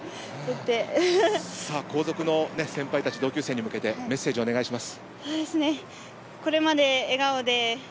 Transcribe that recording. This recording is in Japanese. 後続の先輩たち同級生に向けてメッセージをお願いします。